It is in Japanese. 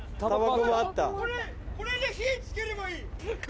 これこれで火付ければいい。